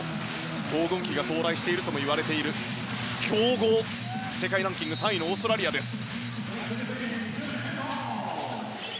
黄金期が到来しているともいわれている強豪、世界ランキング３位のオーストラリアです。